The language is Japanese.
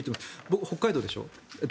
僕、北海道でしょ。